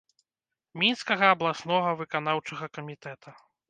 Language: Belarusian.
Мінскага абласнога выканаўчага камітэта.